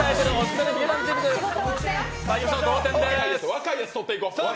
若いやつを取っていこう。